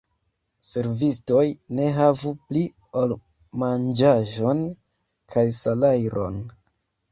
Servistoj ne havu pli ol manĝaĵon kaj salajron.